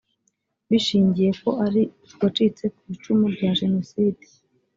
bishingiye ko ari uwacitse ku icumu rya jenoside